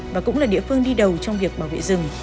và cũng là địa phương đi đầu trong việc bảo vệ rừng